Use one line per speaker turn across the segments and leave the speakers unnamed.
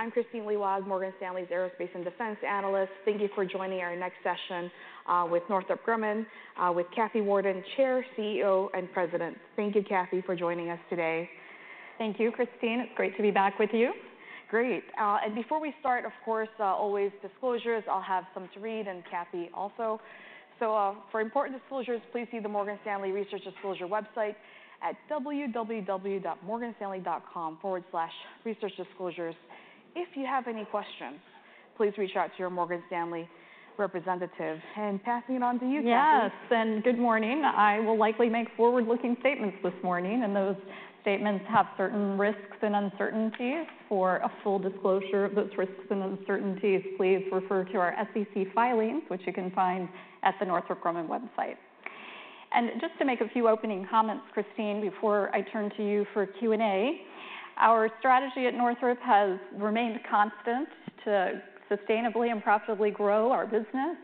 I'm Kristine Liwag Morgan Stanley's Aerospace and Defense analyst. Thank you for joining our next session with Northrop Grumman with Kathy Warden, Chair, CEO, and President. Thank you, Kathy, for joining us today.
Thank you, Kristine. It's great to be back with you.
Great. And before we start, of course, always disclosures. I'll have some to read, and Kathy also. So, for important disclosures, please see the Morgan Stanley Research Disclosure website at www.morganstanley.com/researchdisclosures. If you have any questions, please reach out to your Morgan Stanley representative. And passing it on to you, Kathy.
Yes, and good morning. I will likely make forward-looking statements this morning, and those statements have certain risks and uncertainties. For a full disclosure of those risks and uncertainties, please refer to our SEC filings, which you can find at the Northrop Grumman website. And just to make a few opening comments, Kristine, before I turn to you for Q&A, our strategy at Northrop has remained constant to sustainably and profitably grow our business,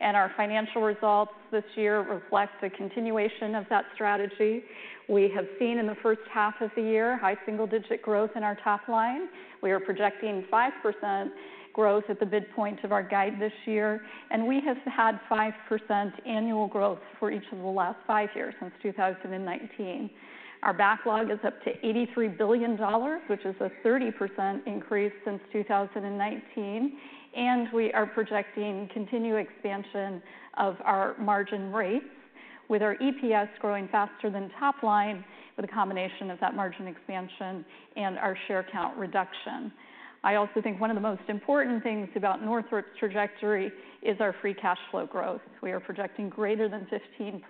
and our financial results this year reflect a continuation of that strategy. We have seen in the first half of the year, high single-digit growth in our top line. We are projecting 5% growth at the midpoint of our guide this year, and we have had 5% annual growth for each of the last five years, since 2019. Our backlog is up to $83 billion, which is a 30% increase since 2019, and we are projecting continued expansion of our margin rates, with our EPS growing faster than top line, with a combination of that margin expansion and our share count reduction. I also think one of the most important things about Northrop's trajectory is our free cash flow growth. We are projecting greater than 15%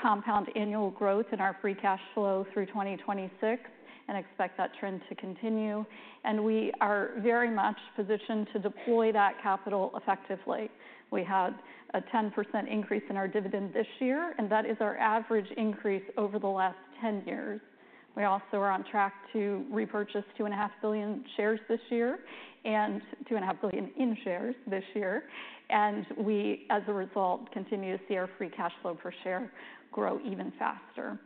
compound annual growth in our free cash flow through 2026 and expect that trend to continue, and we are very much positioned to deploy that capital effectively. We had a 10% increase in our dividend this year, and that is our average increase over the last 10 years. We also are on track to repurchase $2.5 billion in shares this year, and we, as a result, continue to see our free cash flow per share grow even faster.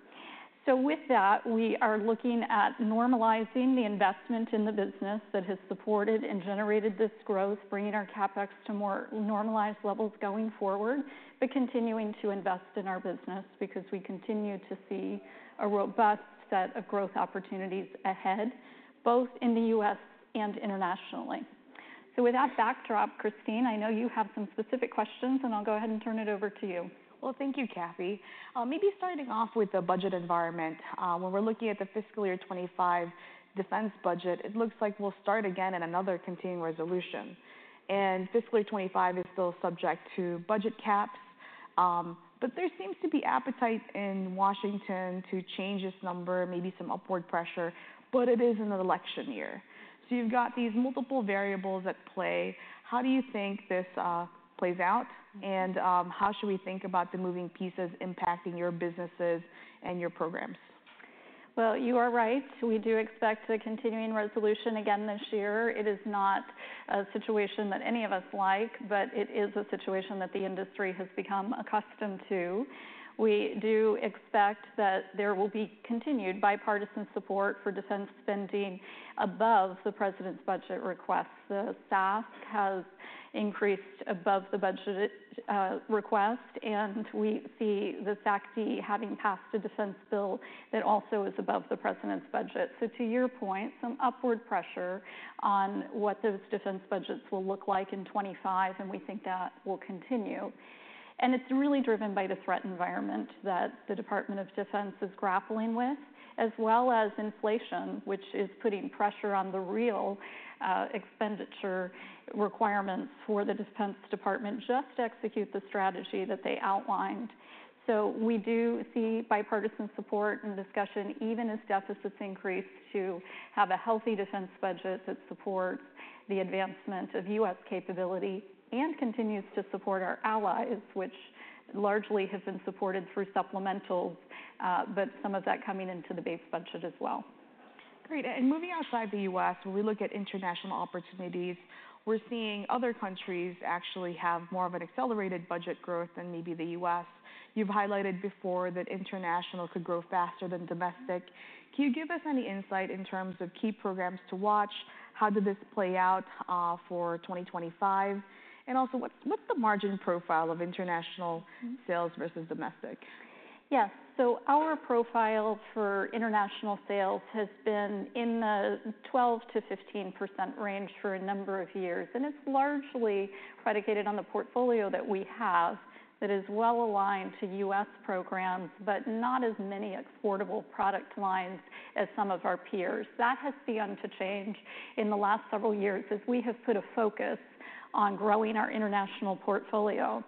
So with that, we are looking at normalizing the investment in the business that has supported and generated this growth, bringing our CapEx to more normalized levels going forward, but continuing to invest in our business because we continue to see a robust set of growth opportunities ahead, both in the U.S. and internationally. So with that backdrop, Kristine, I know you have some specific questions, and I'll go ahead and turn it over to you.
Well, thank you, Kathy. Maybe starting off with the budget environment. When we're looking at the fiscal year 2025 defense budget, it looks like we'll start again in another continuing resolution. And fiscal year 2025 is still subject to budget caps, but there seems to be appetite in Washington to change this number, maybe some upward pressure, but it is an election year. So you've got these multiple variables at play. How do you think this plays out, and how should we think about the moving pieces impacting your businesses and your programs?
You are right. We do expect a continuing resolution again this year. It is not a situation that any of us like, but it is a situation that the industry has become accustomed to. We do expect that there will be continued bipartisan support for defense spending above the President's Budget request. The spend has increased above the budget request, and we see the SASC having passed a defense bill that also is above the President's Budget. So to your point, some upward pressure on what those defense budgets will look like in 2025, and we think that will continue. And it's really driven by the threat environment that the Department of Defense is grappling with, as well as inflation, which is putting pressure on the real expenditure requirements for the Defense Department just to execute the strategy that they outlined. So we do see bipartisan support and discussion, even as deficits increase, to have a healthy defense budget that supports the advancement of U.S. capability and continues to support our allies, which largely has been supported through supplementals, but some of that coming into the base budget as well.
Great and moving outside the U.S., when we look at international opportunities, we're seeing other countries actually have more of an accelerated budget growth than maybe the U.S. You've highlighted before that international could grow faster than domestic. Can you give us any insight in terms of key programs to watch? How did this play out for 2025? And also, what's the margin profile of international sales versus domestic?
Yes. So our profile for international sales has been in the 12-15% range for a number of years, and it's largely predicated on the portfolio that we have that is well-aligned to U.S. programs, but not as many affordable product lines as some of our peers. That has begun to change in the last several years as we have put a focus on growing our international portfolio.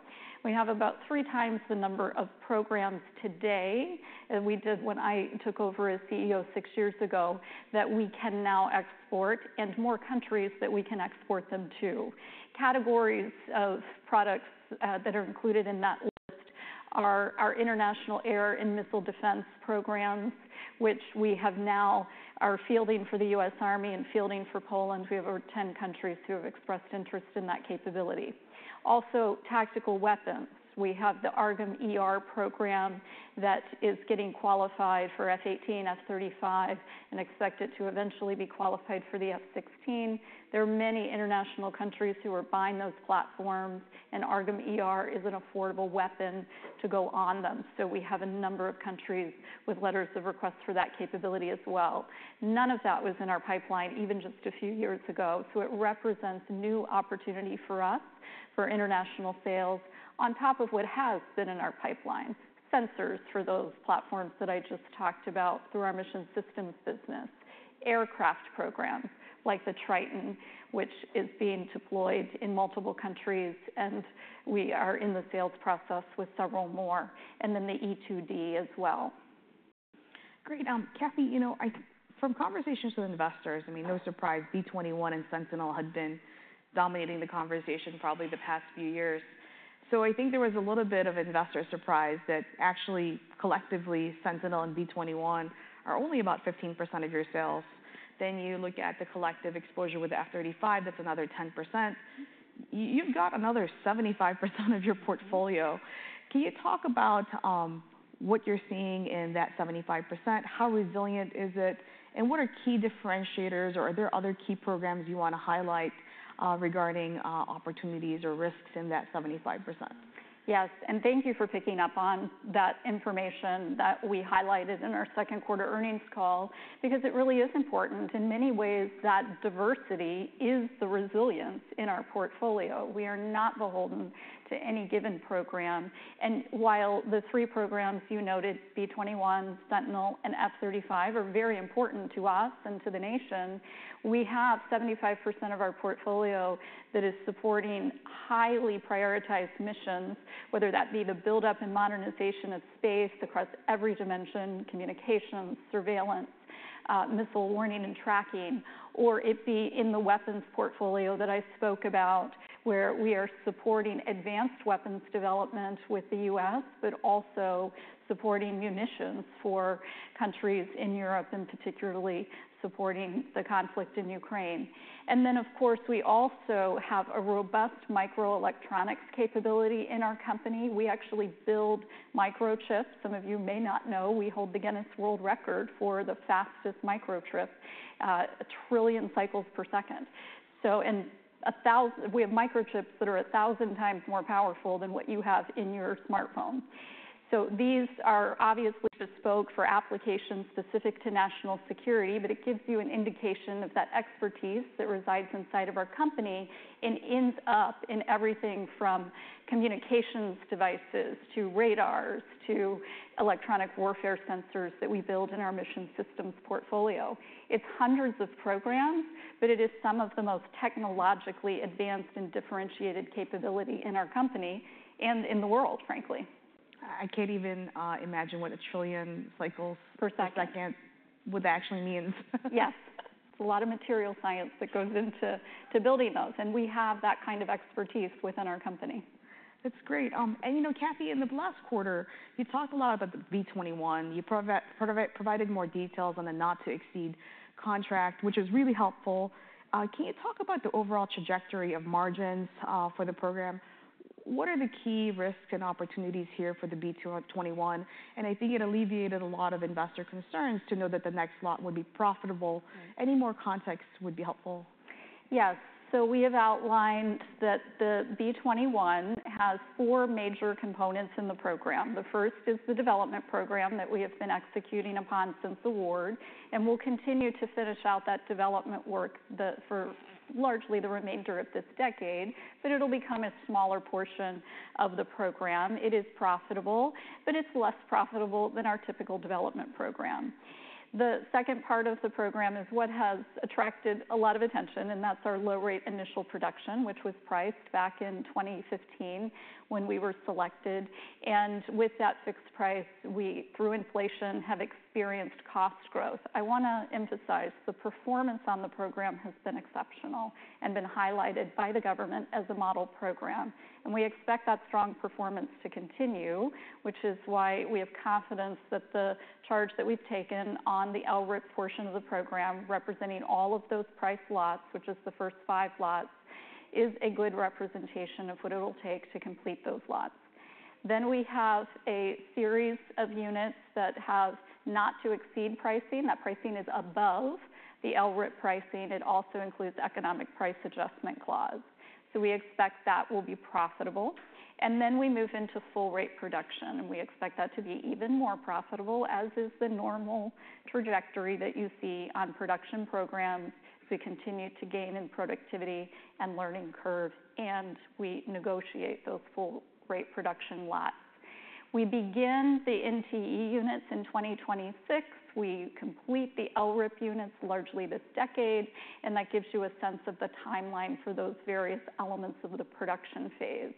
We have about three times the number of programs today than we did when I took over as CEO six years ago, that we can now export, and more countries that we can export them to. Categories of products that are included in that, our international air and missile defense programs, which we have now are fielding for the U.S. Army and fielding for Poland. We have over 10 countries who have expressed interest in that capability. Also, tactical weapons. We have the AARGM-ER program that is getting qualified for F-18, F-35, and expect it to eventually be qualified for the F-16. There are many international countries who are buying those platforms, and AARGM-ER is an affordable weapon to go on them. So we have a number of countries with Letters of Request for that capability as well. None of that was in our pipeline even just a few years ago, so it represents new opportunity for us, for international sales, on top of what has been in our pipeline. Sensors for those platforms that I just talked about through our Mission Systems business. Aircraft programs like the Triton, which is being deployed in multiple countries, and we are in the sales process with several more, and then the E-2D as well.
Great. Kathy, you know, from conversations with investors, I mean, no surprise, B-21 and Sentinel had been dominating the conversation probably the past few years. So I think there was a little bit of investor surprise that actually, collectively, Sentinel and B-21 are only about 15% of your sales. Then you look at the collective exposure with the F-35, that's another 10%. You've got another 75% of your portfolio. Can you talk about what you're seeing in that 75%? How resilient is it, and what are key differentiators, or are there other key programs you want to highlight regarding opportunities or risks in that 75%?
Yes, and thank you for picking up on that information that we highlighted in our second quarter earnings call, because it really is important. In many ways, that diversity is the resilience in our portfolio. We are not beholden to any given program, and while the three programs you noted, B-21, Sentinel, and F-35, are very important to us and to the nation, we have 75% of our portfolio that is supporting highly prioritized missions, whether that be the buildup and modernization of space across every dimension, communications, surveillance, missile warning and tracking, or it be in the weapons portfolio that I spoke about, where we are supporting advanced weapons development with the U.S., but also supporting munitions for countries in Europe, and particularly supporting the conflict in Ukraine. And then, of course, we also have a robust microelectronics capability in our company. We actually build microchips. Some of you may not know, we hold the Guinness World Record for the fastest microchip, a trillion cycles per second. We have microchips that are a thousand times more powerful than what you have in your smartphone. These are obviously bespoke for applications specific to national security, but it gives you an indication of that expertise that resides inside of our company and ends up in everything from communications devices to radars to electronic warfare sensors that we build in our Mission Systems portfolio. It's hundreds of programs, but it is some of the most technologically advanced and differentiated capability in our company and in the world, frankly.
I can't even imagine what a trillion cycles-
Per second.
per second, what that actually means.
Yes. It's a lot of material science that goes into building those, and we have that kind of expertise within our company.
That's great. And you know, Kathy, in the last quarter, you talked a lot about the B-21. You provided more details on the Not-to-Exceed contract, which is really helpful. Can you talk about the overall trajectory of margins for the program? What are the key risks and opportunities here for the B-21? And I think it alleviated a lot of investor concerns to know that the next lot would be profitable.
Right.
Any more context would be helpful.
Yes. So we have outlined that the B-21 has four major components in the program. The first is the development program that we have been executing upon since award, and we'll continue to finish out that development work for largely the remainder of this decade, but it'll become a smaller portion of the program. It is profitable, but it's less profitable than our typical development program. The second part of the program is what has attracted a lot of attention, and that's our Low-Rate Initial Production, which was priced back in 2015 when we were selected. And with that fixed price, we, through inflation, have experienced cost growth. I want to emphasize the performance on the program has been exceptional and been highlighted by the government as a model program, and we expect that strong performance to continue, which is why we have confidence that the charge that we've taken on the LRIP portion of the program, representing all of those price lots, which is the first five lots, is a good representation of what it'll take to complete those lots. Then we have a series of units that have not to exceed pricing. That pricing is above the LRIP pricing. It also includes economic price adjustment clause, so we expect that will be profitable. We move into Full-Rate Production, and we expect that to be even more profitable, as is the normal trajectory that you see on production programs. We continue to gain in productivity and learning curve, and we negotiate those Full-Rate Production lots. We begin the NTE units in 2026. We complete the LRIP units largely this decade, and that gives you a sense of the timeline for those various elements of the production phase.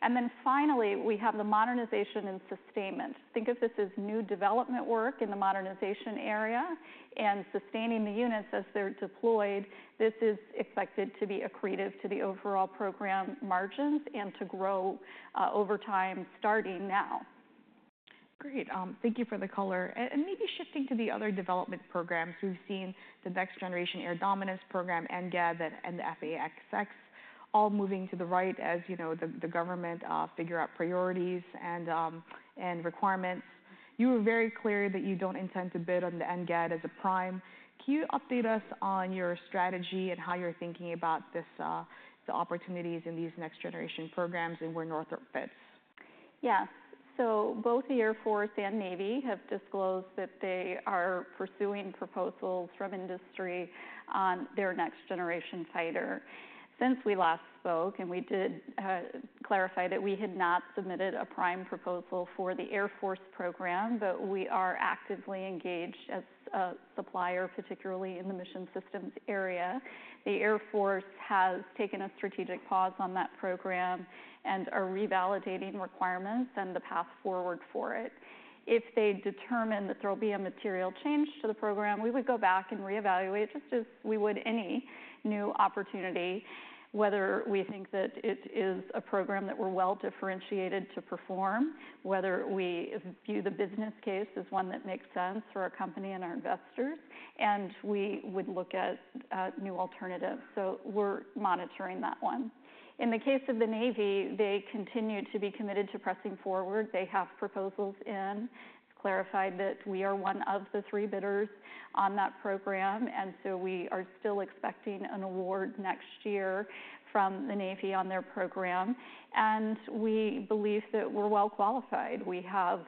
And then finally, we have the modernization and sustainment. Think of this as new development work in the modernization area and sustaining the units as they're deployed. This is expected to be accretive to the overall program margins and to grow over time, starting now.
Great. Thank you for the color. And maybe shifting to the other development programs, we've seen the Next Generation Air Dominance program, NGAD, and the F/A-XX, all moving to the right, as you know, the government figure out priorities and requirements. You were very clear that you don't intend to bid on the NGAD as a prime. Can you update us on your strategy and how you're thinking about this, the opportunities in these next generation programs and where Northrop fits?
Yes. So both the Air Force and Navy have disclosed that they are pursuing proposals from industry on their next generation fighter. Since we last spoke, and we did clarify that we had not submitted a prime proposal for the Air Force program, but we are actively engaged as a supplier, particularly in the Mission Systems area. The Air Force has taken a strategic pause on that program and are revalidating requirements and the path forward for it. If they determine that there will be a material change to the program, we would go back and reevaluate, just as we would any new opportunity, whether we think that it is a program that we're well-differentiated to perform, whether we view the business case as one that makes sense for our company and our investors, and we would look at new alternatives. So we're monitoring that one. In the case of the Navy, they continue to be committed to pressing forward. They have proposals in. It's clarified that we are one of the three bidders on that program, and so we are still expecting an award next year from the Navy on their program, and we believe that we're well qualified. We have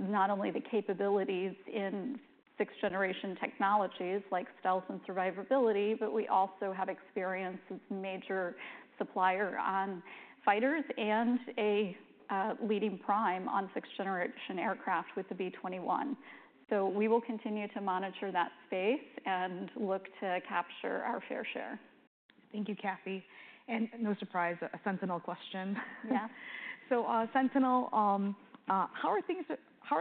not only the capabilities in sixth-generation technologies like stealth and survivability, but we also have experience as a major supplier on fighters and a leading prime on sixth-generation aircraft with the B-21. So we will continue to monitor that space and look to capture our fair share.
Thank you, Kathy, and no surprise, a Sentinel question.
Yeah.
So, Sentinel, how are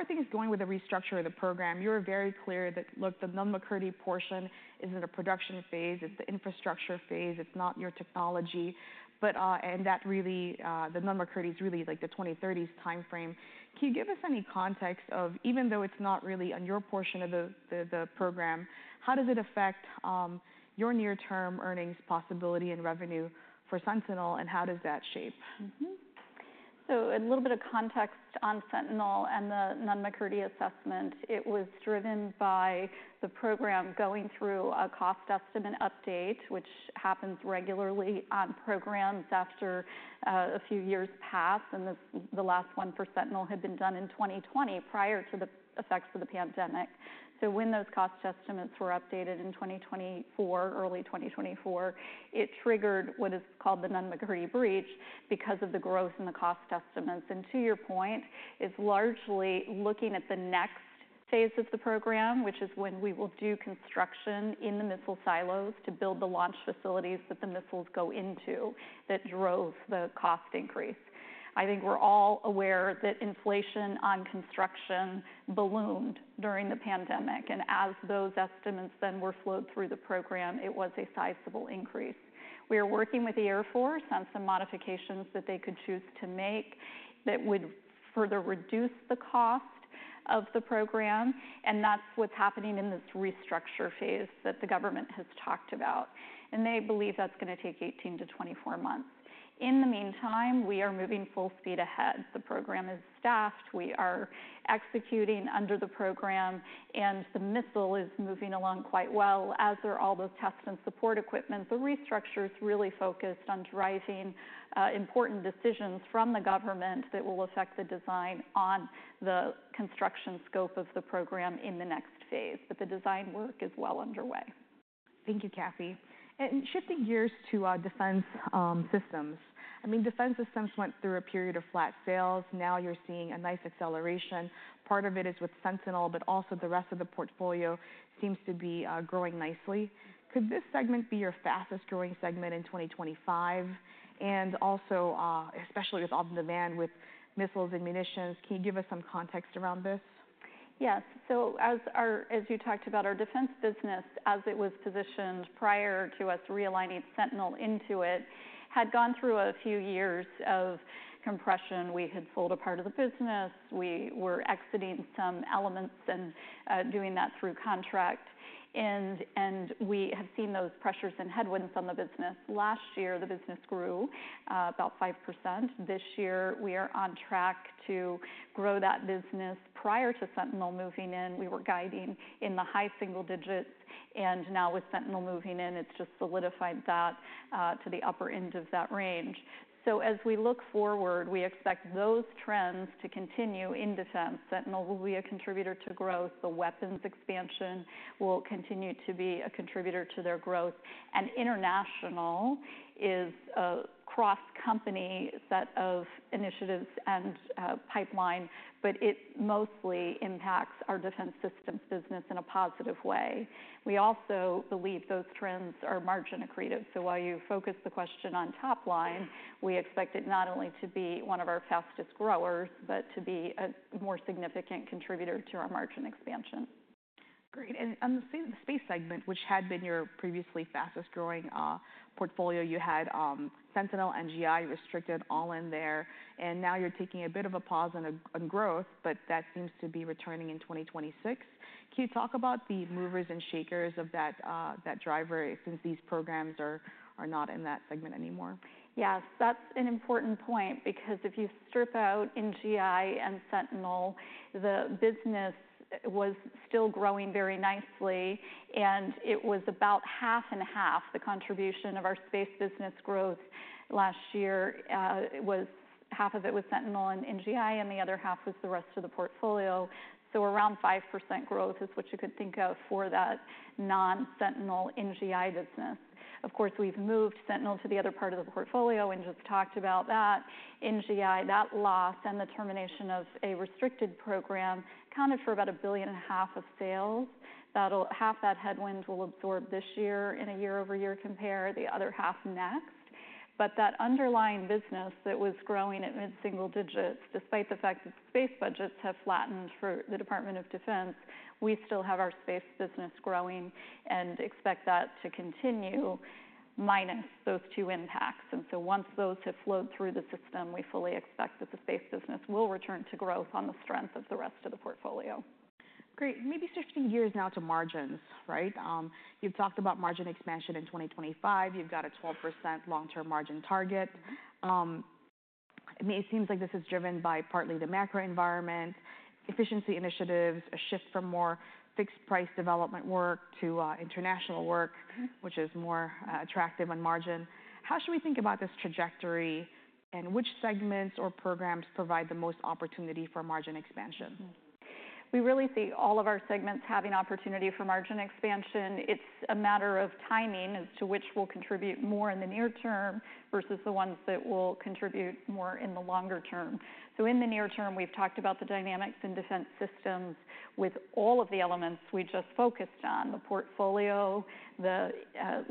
things going with the restructure of the program? You're very clear that, look, the Nunn-McCurdy portion is in a production phase. It's the infrastructure phase. It's not your technology, but, and that really, the Nunn-McCurdy is really like the 2030s timeframe. Can you give us any context of, even though it's not really on your portion of the program, how does it affect your near-term earnings possibility and revenue for Sentinel, and how does that shape?
So a little bit of context on Sentinel and the Nunn-McCurdy assessment. It was driven by the program going through a cost estimate update, which happens regularly on programs after a few years pass, and the last one for Sentinel had been done in 2020, prior to the effects of the pandemic. So when those cost estimates were updated in 2024, early 2024, it triggered what is called the Nunn-McCurdy breach because of the growth in the cost estimates. And to your point, it's largely looking at the next phase of the program, which is when we will do construction in the missile silos to build the launch facilities that the missiles go into, that drove the cost increase. I think we're all aware that inflation on construction ballooned during the pandemic, and as those estimates then were flowed through the program, it was a sizable increase. We are working with the Air Force on some modifications that they could choose to make that would further reduce the cost of the program, and that's what's happening in this restructure phase that the government has talked about, and they believe that's going to take 18-24 months. In the meantime, we are moving full speed ahead. The program is staffed, we are executing under the program, and the missile is moving along quite well, as are all those tests and support equipment. The restructure is really focused on driving important decisions from the government that will affect the design on the construction scope of the program in the next phase, but the design work is well underway.
Thank you, Kathy. And shifting gears to our Defense Systems. I mean, Defense Systems went through a period of flat sales. Now you're seeing a nice acceleration. Part of it is with Sentinel, but also the rest of the portfolio seems to be growing nicely. Could this segment be your fastest growing segment in 2025? And also, especially with on-demand, with missiles and munitions, can you give us some context around this?
Yes. So as you talked about, our defense business, as it was positioned prior to us realigning Sentinel into it, had gone through a few years of compression. We had sold a part of the business. We were exiting some elements and doing that through contract, and we have seen those pressures and headwinds on the business. Last year, the business grew about 5%. This year, we are on track to grow that business. Prior to Sentinel moving in, we were guiding in the high single digits, and now with Sentinel moving in, it's just solidified that to the upper end of that range. So as we look forward, we expect those trends to continue in defense. Sentinel will be a contributor to growth. The weapons expansion will continue to be a contributor to their growth. And international is a cross-company set of initiatives and pipeline, but it mostly impacts our Defense Systems business in a positive way. We also believe those trends are margin accretive. So while you focus the question on top line, we expect it not only to be one of our fastest growers, but to be a more significant contributor to our margin expansion.
Great. And on the Space segment, which had been your previously fastest growing portfolio, you had Sentinel and NGI restricted all in there, and now you're taking a bit of a pause on growth, but that seems to be returning in 2026. Can you talk about the movers and shakers of that driver, since these programs are not in that segment anymore?
Yes, that's an important point, because if you strip out NGI and Sentinel, the business was still growing very nicely, and it was about half and half. The contribution of our Space business growth last year was half of it was Sentinel and NGI, and the other half was the rest of the portfolio. So around 5% growth is what you could think of for that non-Sentinel NGI business. Of course, we've moved Sentinel to the other part of the portfolio and just talked about that. NGI, that loss and the termination of a restricted program accounted for about $1.5 billion of sales. Half that headwind will absorb this year in a year-over-year compare, the other half next. But that underlying business that was growing at mid-single digits, despite the fact that space budgets have flattened for the Department of Defense, we still have our Space business growing and expect that to continue, minus those two impacts, and so once those have flowed through the system, we fully expect that the Space business will return to growth on the strength of the rest of the portfolio.
Great. Maybe switching gears now to margins, right? You've talked about margin expansion in 2025. You've got a 12% long-term margin target. It seems like this is driven by partly the macro environment, efficiency initiatives, a shift from more fixed-price development work to international work-
Mm-hmm.
-which is more, attractive on margin. How should we think about this trajectory, and which segments or programs provide the most opportunity for margin expansion?
We really see all of our segments having opportunity for margin expansion. It's a matter of timing as to which will contribute more in the near term versus the ones that will contribute more in the longer term. So in the near term, we've talked about the dynamics in Defense Systems with all of the elements we just focused on. The portfolio, the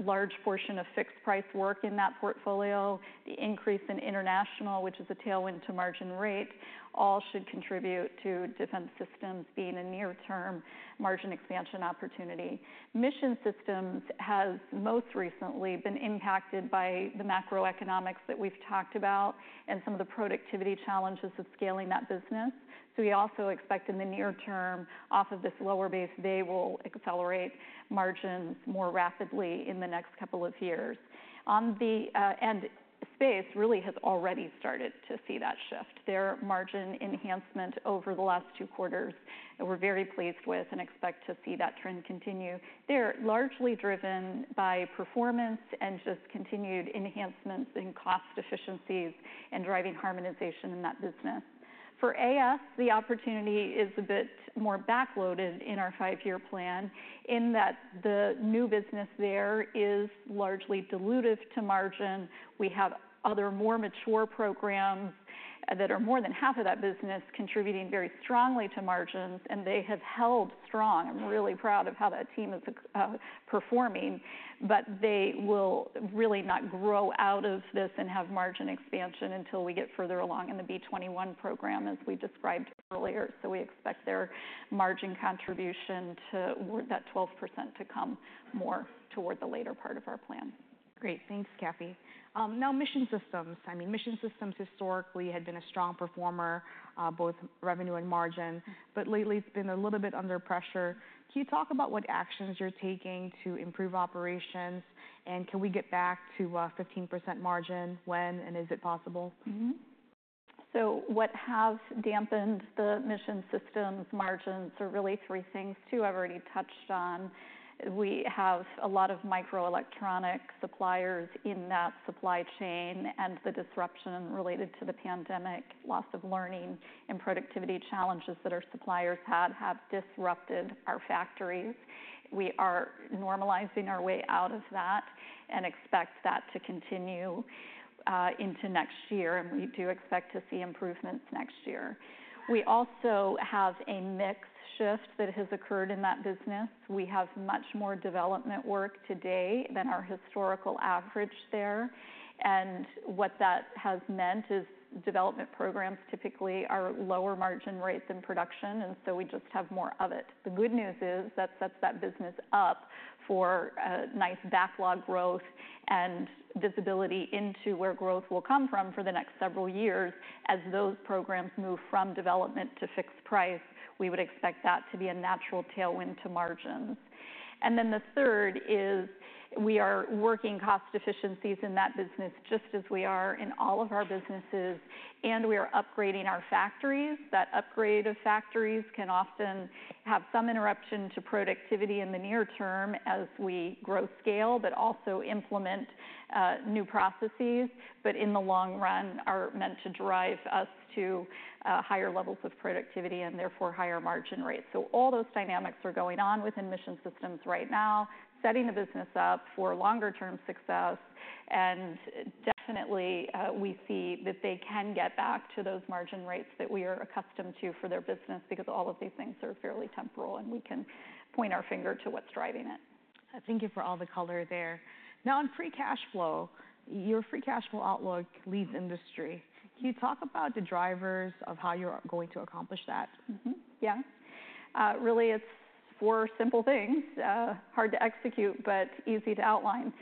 large portion of fixed-price work in that portfolio, the increase in international, which is a tailwind to margin rate, all should contribute to Defense Systems being a near-term margin expansion opportunity. Mission Systems has most recently been impacted by the macroeconomics that we've talked about and some of the productivity challenges of scaling that business. So we also expect in the near term, off of this lower base, they will accelerate margins more rapidly in the next couple of years. On the... Space really has already started to see that shift. Their margin enhancement over the last two quarters, and we're very pleased with and expect to see that trend continue. They're largely driven by performance and just continued enhancements in cost efficiencies and driving harmonization in that business. For AS, the opportunity is a bit more backloaded in our five-year plan in that the new business there is largely dilutive to margin. We have other more mature programs that are more than half of that business, contributing very strongly to margins, and they have held strong. I'm really proud of how that team is performing, but they will really not grow out of this and have margin expansion until we get further along in the B-21 program, as we described earlier. So we expect their margin contribution to that 12% to come more toward the later part of our plan.
Great. Thanks, Kathy. Now Mission Systems. I mean, Mission Systems historically had been a strong performer, both revenue and margin, but lately it's been a little bit under pressure. Can you talk about what actions you're taking to improve operations, and can we get back to 15% margin? When and is it possible?
Mm-hmm. So what have dampened the Mission Systems margins are really three things, two I've already touched on. We have a lot of microelectronic suppliers in that supply chain, and the disruption related to the pandemic, loss of learning and productivity challenges that our suppliers had, have disrupted our factories. We are normalizing our way out of that and expect that to continue into next year, and we do expect to see improvements next year. We also have a mix shift that has occurred in that business. We have much more development work today than our historical average there, and what that has meant is development programs typically are lower margin rates than production, and so we just have more of it. The good news is that sets that business up for a nice backlog growth and visibility into where growth will come from for the next several years. As those programs move from development to fixed price, we would expect that to be a natural tailwind to margins. And then the third is we are working cost efficiencies in that business, just as we are in all of our businesses, and we are upgrading our factories. That upgrade of factories can often have some interruption to productivity in the near term as we grow scale, but also implement new processes, but in the long run, are meant to drive us to higher levels of productivity and therefore higher margin rates. So all those dynamics are going on within Mission Systems right now, setting the business up for longer term success, and definitely, we see that they can get back to those margin rates that we are accustomed to for their business, because all of these things are fairly temporary, and we can point our finger to what's driving it.
Thank you for all the color there. Now, on free cash flow, your free cash flow outlook leads industry. Can you talk about the drivers of how you're going to accomplish that?
Mm-hmm. Yeah. Really, it's four simple things, hard to execute, but easy to outline.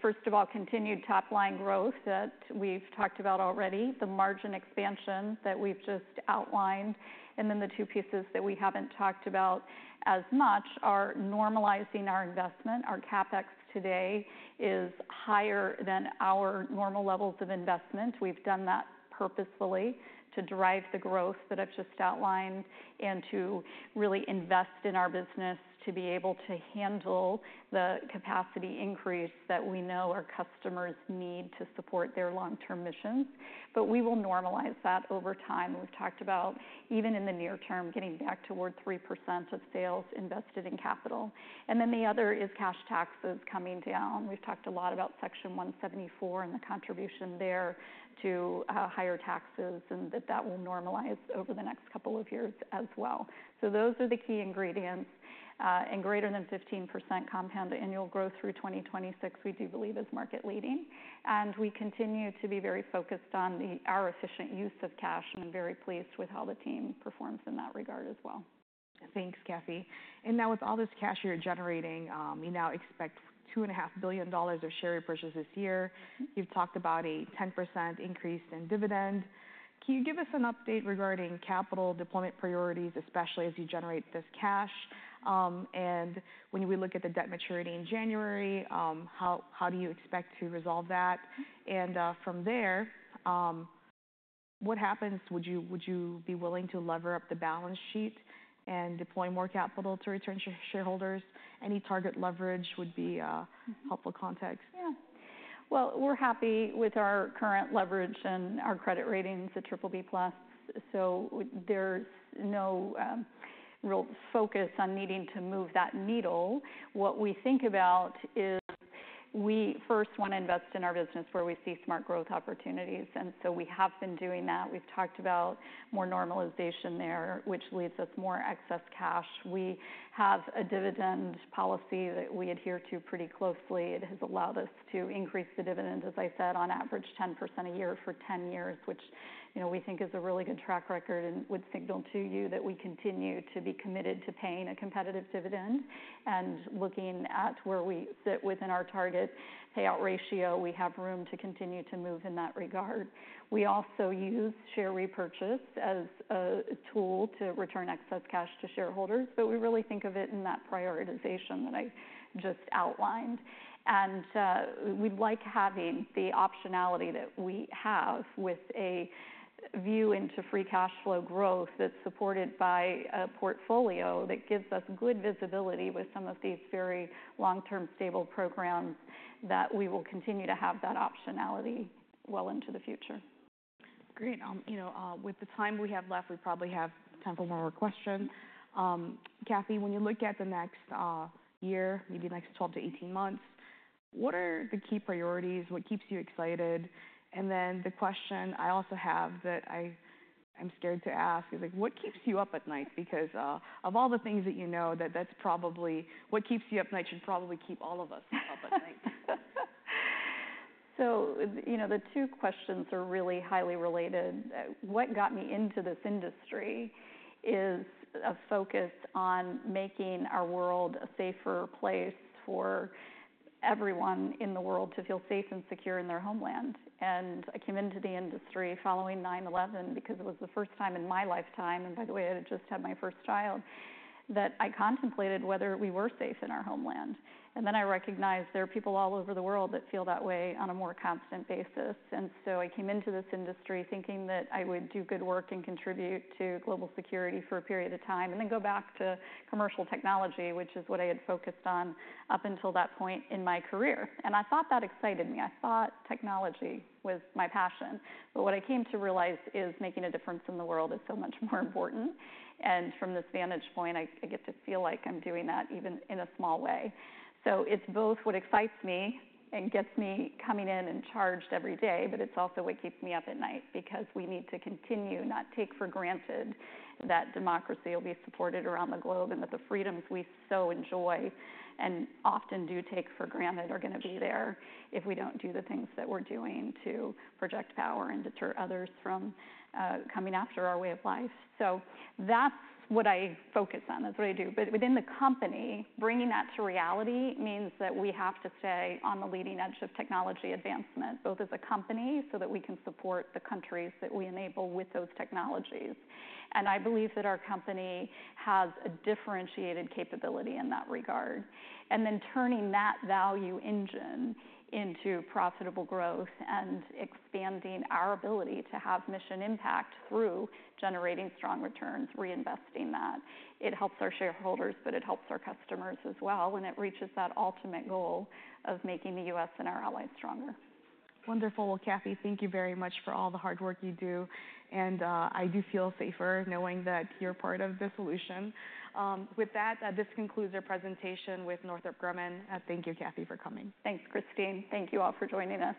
First of all, continued top-line growth that we've talked about already, the margin expansion that we've just outlined, and then the two pieces that we haven't talked about as much are normalizing our investment. Our CapEx today is higher than our normal levels of investment. We've done that purposefully to drive the growth that I've just outlined and to really invest in our business to be able to handle the capacity increase that we know our customers need to support their long-term missions. But we will normalize that over time. We've talked about, even in the near term, getting back toward 3% of sales invested in capital. And then the other is cash taxes coming down. We've talked a lot about Section 174 and the contribution thereto higher taxes, and that will normalize over the next couple of years as well. So those are the key ingredients, and greater than 15% compound annual growth through 2026, we do believe is market-leading, and we continue to be very focused on our efficient use of cash, and I'm very pleased with how the team performs in that regard as well.
Thanks, Kathy. And now, with all this cash you're generating, you now expect $2.5 billion of share repurchase this year. You've talked about a 10% increase in dividend. Can you give us an update regarding capital deployment priorities, especially as you generate this cash? And when we look at the debt maturity in January, how do you expect to resolve that? And from there, what happens? Would you be willing to lever up the balance sheet and deploy more capital to return to shareholders? Any target leverage would be helpful context.
Yeah. Well, we're happy with our current leverage and our credit ratings, the BBB+ so there's no real focus on needing to move that needle. What we think about is we first want to invest in our business where we see smart growth opportunities, and so we have been doing that. We've talked about more normalization there, which leaves us more excess cash. We have a dividend policy that we adhere to pretty closely. It has allowed us to increase the dividend, as I said, on average, 10% a year for ten years, which, you know, we think is a really good track record and would signal to you that we continue to be committed to paying a competitive dividend. And looking at where we sit within our target payout ratio, we have room to continue to move in that regard. We also use share repurchase as a tool to return excess cash to shareholders, but we really think of it in that prioritization that I just outlined. And we like having the optionality that we have with a view into free cash flow growth that's supported by a portfolio that gives us good visibility with some of these very long-term, stable programs that we will continue to have that optionality well into the future.
Great. You know, with the time we have left, we probably have time for one more question. Kathy, when you look at the next year, maybe the next 12-18 months, what are the key priorities? What keeps you excited? And then the question I also have that I'm scared to ask is, like, what keeps you up at night? Because of all the things that you know, what keeps you up at night should probably keep all of us up at night.
So you know, the two questions are really highly related. What got me into this industry is a focus on making our world a safer place for everyone in the world to feel safe and secure in their homeland. And I came into the industry following 9/11 because it was the first time in my lifetime, and by the way, I had just had my first child, that I contemplated whether we were safe in our homeland. And then I recognized there are people all over the world that feel that way on a more constant basis. And so I came into this industry thinking that I would do good work and contribute to global security for a period of time, and then go back to commercial technology, which is what I had focused on up until that point in my career. And I thought that excited me. I thought technology was my passion, but what I came to realize is making a difference in the world is so much more important, and from this vantage point, I get to feel like I'm doing that, even in a small way. So it's both what excites me and gets me coming in and charged every day, but it's also what keeps me up at night because we need to continue, not take for granted, that democracy will be supported around the globe and that the freedoms we so enjoy and often do take for granted are gonna be there if we don't do the things that we're doing to project power and deter others from coming after our way of life, so that's what I focus on. That's what I do. But within the company, bringing that to reality means that we have to stay on the leading edge of technology advancement, both as a company, so that we can support the countries that we enable with those technologies. And I believe that our company has a differentiated capability in that regard. And then turning that value engine into profitable growth and expanding our ability to have mission impact through generating strong returns, reinvesting that. It helps our shareholders, but it helps our customers as well, and it reaches that ultimate goal of making the U.S. and our allies stronger.
Wonderful. Well, Kathy, thank you very much for all the hard work you do, and, I do feel safer knowing that you're part of the solution. With that, this concludes our presentation with Northrop Grumman. Thank you, Kathy, for coming.
Thanks, Kristine. Thank you all for joining us.